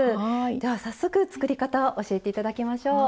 では早速作り方を教えて頂きましょう。